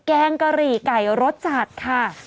แกงกะหรี่ไก่รสจัดค่ะ